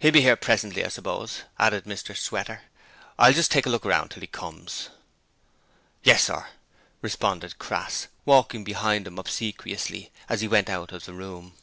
'He'll be here presently, I suppose,' added Mr Sweater. 'I'll just take a look round till he comes.' 'Yes, sir,' responded Crass, walking behind him obsequiously as he went out of the room.